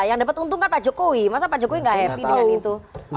yang dapat untung kan pak jokowi masa pak jokowi gak happy dengan itu